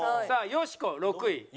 さあよしこ６位。